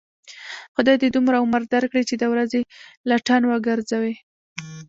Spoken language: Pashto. خدای دې دومره عمر در کړي، چې د ورځې لټن و گرځوې.